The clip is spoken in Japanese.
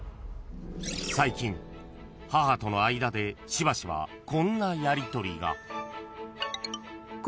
［最近母との間でしばしばこんなやりとりが］